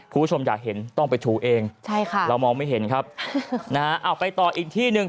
คุณผู้ชมอยากเห็นต้องไปถูเองใช่ค่ะเรามองไม่เห็นครับนะฮะเอาไปต่ออีกที่หนึ่ง